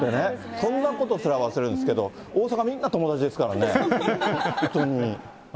そんなことすら忘れてましたけど、大阪、みんな友達ですからね、普通に。